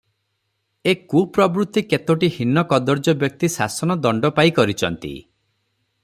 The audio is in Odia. ଏ କୁପ୍ରବୃତ୍ତି କେତୋଟି ହୀନ କଦର୍ଯ୍ୟ ବ୍ୟକ୍ତି ଶାସନ ଦଣ୍ଡ ପାଇ କରିଚନ୍ତି ।